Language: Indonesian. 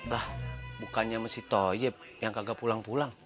lah bukannya sama si toyib yang kagak pulang pulang